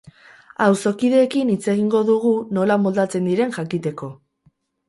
Auzokideekin hitz egingo dugu nola moldatzen diren jakiteko.